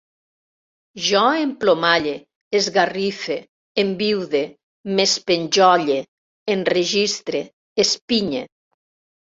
Jo emplomalle, esgarrife, enviude, m'espenjolle, enregistre, espinye